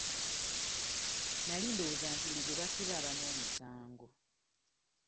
Nali ndowooza nti buli gwe basiba aba n'omusango.